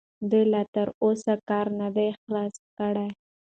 دوی لا تراوسه کار نه دی خلاص کړی.